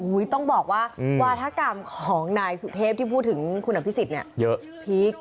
อุ๊ยต้องบอกว่าวัฒกรรมของหน่ายสุทธิพย์ที่พูดถึงคุณอภิสิทธิ์เนี่ย